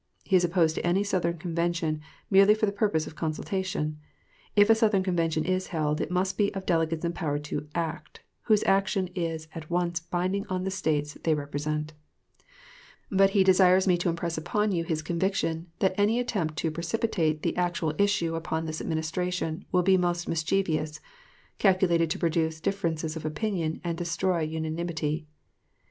He is opposed to any Southern convention, merely for the purpose of consultation. If a Southern convention is held, it must be of delegates empowered to act, whose action is at once binding on the States they represent. But he desires me to impress upon you his conviction, that any attempt to precipitate the actual issue upon this Administration will be most mischievous calculated to produce differences of opinion and destroy unanimity.